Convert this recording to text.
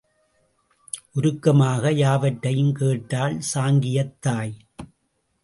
உருக்கமாக யாவற்றையும் கேட்டாள், சாங்கியத் தாய்.